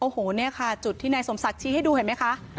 โอ้โหนี่ค่ะจุดที่นายสมศักดิ์ชี้ให้ดูเห็นไหมคะ